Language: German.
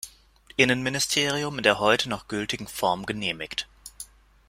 Innenministerium in der heute noch gültigen Form genehmigt.